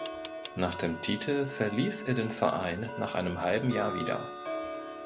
Nach dem Titel verließ er den Verein nach einem halben Jahr wieder.